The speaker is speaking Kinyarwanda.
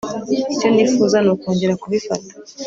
icyo nifuza ni ukongera kubifata